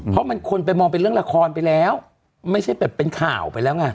เพราะมันคนไปมองเป็นเรื่องละครไปแล้วไม่ใช่แบบเป็นข่าวไปแล้วไง